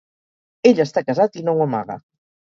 Ell està casat i no ho amaga.